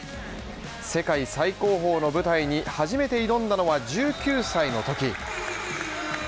世界最高峰の舞台に初めて挑んだのは１９歳のとき。